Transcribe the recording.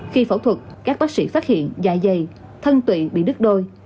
khi phẫu thuật các bác sĩ phát hiện dài dày thân tụy bị đứt đôi